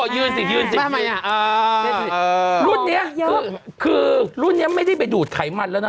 ยื่นสิยืนสิรุ่นนี้คือรุ่นนี้ไม่ได้ไปดูดไขมันแล้วนะ